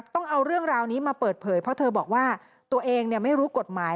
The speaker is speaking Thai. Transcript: ต้องเอาเรื่องราวนี้มาเปิดเผยเพราะเธอบอกว่าตัวเองไม่รู้กฎหมาย